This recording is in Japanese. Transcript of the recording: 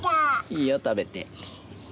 いいよ食べて。